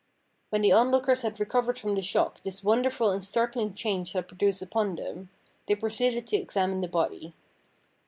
When the onlookers had recovered from the shock this wonderful and startling change had produced upon them, they proceeded to examine the body.